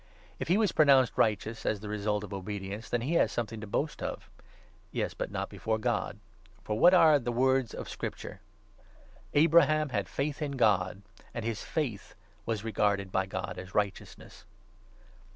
If 2 ^aefo'rot'he" ^e was pronounced righteous as the result of coming of obedience, then he has something to boast of. the Law. Yes, but not before God. For what are the 3 words of Scripture ?' Abraham had faith in God, and his faith was regarded by God as righteousness.'